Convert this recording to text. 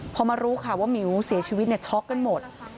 พอมารู้ข่าวว่าหมิวเสียชีวิตช็อกกันหมด